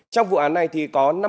trong vụ án này thì có